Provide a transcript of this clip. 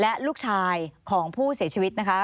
และลูกชายของผู้เสียชีวิตนะคะ